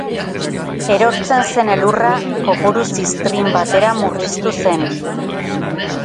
Erortzen zen elurra kopuru ziztrin batera murriztu zen.